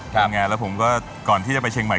เป็นไงแล้วผมก็ก่อนที่จะไปเชียงใหม่